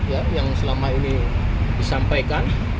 ya yang selama ini disampaikan